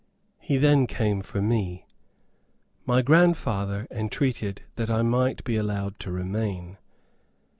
He then came for me. My grandfather entreated that I might be allowed to remain.